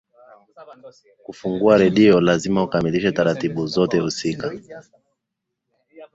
kufungua redio lazima ukamilishe taratibu zote husika